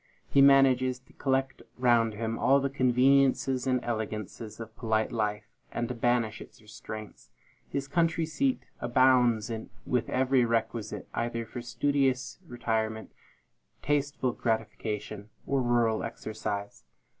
He manages to collect round him all the conveniences and elegancies of polite life, and to banish its restraints. His country seat abounds with every requisite, either for studious retirement, tasteful gratification, or rural exercise.